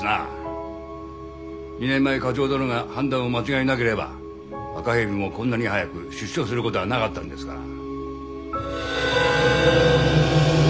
２年前課長殿が判断を間違えなければ赤蛇もこんなに早く出所することはなかったんですから。